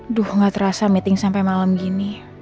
aduh gak terasa meeting sampai malam gini